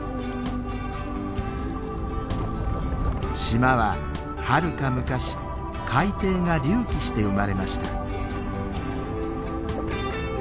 島ははるか昔海底が隆起して生まれました。